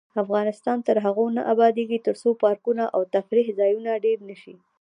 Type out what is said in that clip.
افغانستان تر هغو نه ابادیږي، ترڅو پارکونه او تفریح ځایونه ډیر نشي.